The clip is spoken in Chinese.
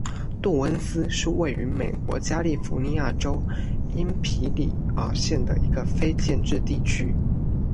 杜恩斯是位于美国加利福尼亚州因皮里尔县的一个非建制地区。